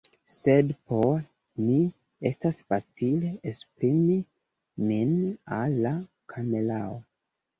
sed por mi estas facile esprimi min al la kamerao